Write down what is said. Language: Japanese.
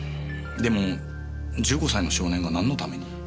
でも１５歳の少年がなんのために？